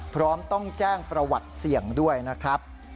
พร้อมต้องแจ้งประวัติเสี่ยงด้วยนะครับ